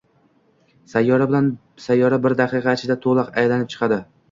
Sayyora bir daqiqa ichida to‘la aylanib chiqadi